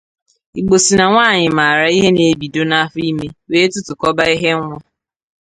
Igbo sị na nwaanyị maara ihe na-ebido n'afọ ime wee tụtụkọba ihe nwa